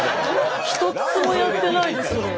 一つもやってないです。